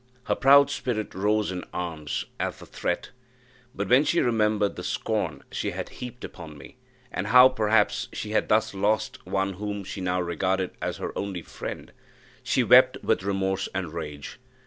Her proud spirit rose in arms at the threat; but when she remembered the scorn that she had heaped upon me, and how, perhaps, she had thus lost one whom she now regarded as her only friend, she wept with remorse and rage.